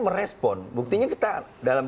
merespon buktinya kita dalam